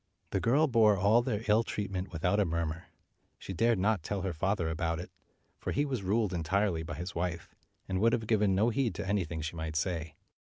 The girl bore all their ill treatment without a murmur. She dared not tell her father about it, for he was ruled entirely by his wife, and would have given no heed to anything she might say.